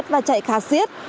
và chạy khá xiết